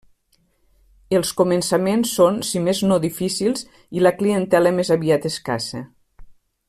Els començaments són, si més no difícils i la clientela més aviat escassa.